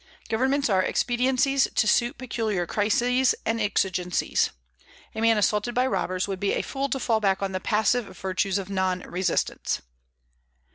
Governments are expediencies to suit peculiar crises and exigencies. A man assaulted by robbers would be a fool to fall back on the passive virtues of non resistance.